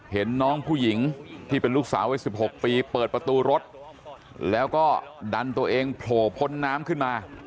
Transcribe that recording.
เห็นน้องผู้หญิงที่เป็นลูกสาวไว้๑๖ปีเปิดประตูรถแล้วก็ดันตัวเองโผล่พ้นน้ำขึ้นมา